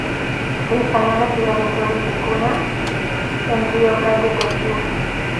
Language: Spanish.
Se instaló en la ciudad de Flores da Cunha, en Rio Grande do Sul.